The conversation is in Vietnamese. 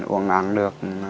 uấn án được